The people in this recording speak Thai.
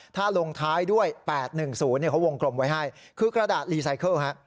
ถ้าลงท้ายด้วยแปดหนึ่งศูนย์เนี่ยเขาวงกลมไว้ให้คือกระดาษรีไซเคิลฮะ